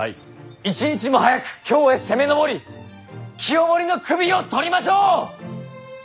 一日も早く京へ攻め上り清盛の首を取りましょう！